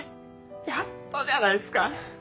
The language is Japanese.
やっとじゃないすか。